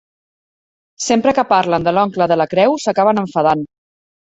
Sempre que parlen de l'oncle de la creu s'acaben enfadant.